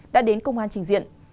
đã đến công an trình diện